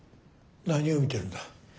何を見てるんだ。